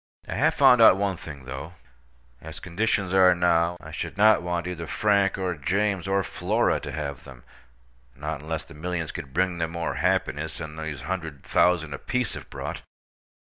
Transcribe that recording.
I have found out one thing, though. As conditions are now, I should not want either Frank, or James, or Flora to have them—not unless the millions could bring them more happiness than these hundred thousand apiece have brought.